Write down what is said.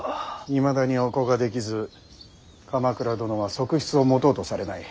いまだにお子ができず鎌倉殿は側室を持とうとされない。